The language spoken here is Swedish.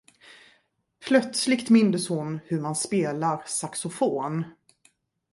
Plötsligt mindes hon hur man spelar saxofon.